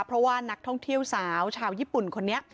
เพราะว่านักท่องเที่ยวสาวชาวญี่ปุ่นคนนี้